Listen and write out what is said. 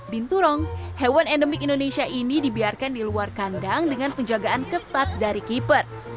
binturong hewan endemik indonesia ini dibiarkan di luar kandang dengan penjagaan ketat dari keeper